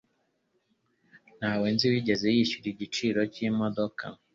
Ntawe nzi wigeze yishyura igiciro cyimodoka.